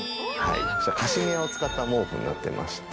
カシミヤを使った毛布になってまして。